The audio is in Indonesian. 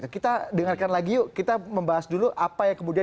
kita dengarkan lagi yuk kita membahas dulu apa yang kemudian